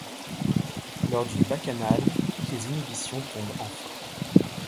Lors d'une bacchanale, toutes les inhibitions tombent enfin.